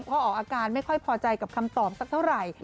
พี่เท่งเพราะออกอาการไม่ค่อยพอใจกับคำตอบสักเท่าไหร่